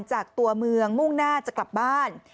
จากตัวเมืองมุ่งหน้าจะกลับบ้าน